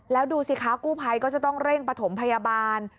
แล้วดูสิคะกู้ภัยก็จะต้องเร่งประถมพยาบาล